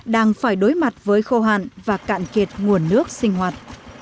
đang phải đối mặt với khô hạn và cạn kiệt nguồn nước sinh hoạt